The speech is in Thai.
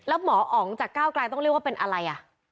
แล้วหมออ๋องจากก้าวกลายต้องเรียกว่าเป็นอะไรอ่ะ